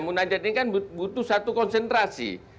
munajat ini kan butuh satu konsentrasi